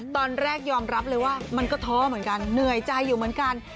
ตอนแรกยอมรับเลยว่ามันก็ท้อเหมือนกันเหนื่อยใจอยู่เหมือนกัน